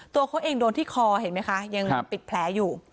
ตัวเขาเองโดนที่คอเห็นไหมคะยังปิดแผลอยู่